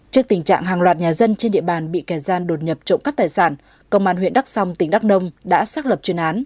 trước tình trạng hàng loạt nhà dân trên địa bàn bị kẻ gian đột nhập trộm các tài sản công an huyện đắc sông tỉnh đắc nông đã xác lập chuyên án